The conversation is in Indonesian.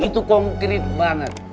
itu konkret banget